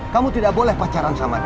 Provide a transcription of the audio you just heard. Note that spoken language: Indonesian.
kamu tidak boleh pacaran sama